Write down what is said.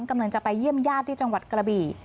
กำลังจะไปเยี่ยมญาติที่จังหวัดกระบี่